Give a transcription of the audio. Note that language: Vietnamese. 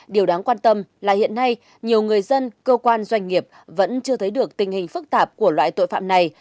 điều đáng quan tâm là hiện nay nhiều người dân cơ quan doanh nghiệp vẫn chưa thấy được tình hình phức tạp của loại tội phạm này